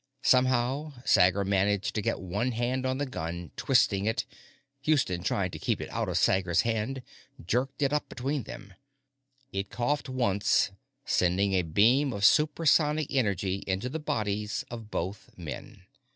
Somehow, Sager managed to get one hand on the gun, twisting it. Houston, trying to keep it out of Sager's hand, jerked it up between them. It coughed once, sending a beam of supersonic energy into the bodies of both men.